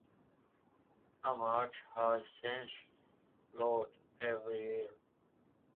A march has since followed every year.